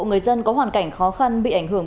người dân có hoàn cảnh khó khăn bị ảnh hưởng